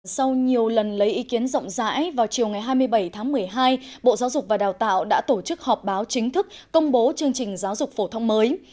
sau nhiều lần lấy ý kiến rộng rãi vào chiều ngày hai mươi bảy tháng một mươi hai bộ giáo dục và đào tạo đã tổ chức họp báo chính thức công bố chương trình giáo dục phổ thông mới